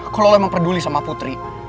kalau emang peduli sama putri